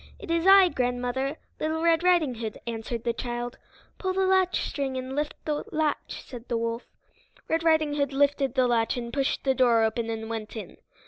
"It is I, grandmother; Little Red Riding Hood," answered the child. "Pull the latchstring, and lift the latch," said the wolf. Red Riding Hood lifted the latch and pushed the door open and went in.